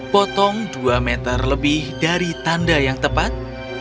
potong dua meter lebih dari tanda yang tepat